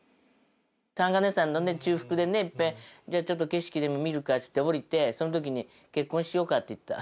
三ヶ根山のね中腹でねいっぺんじゃあちょっと景色でも見るかっつって降りてその時に「結婚しようか」って言った。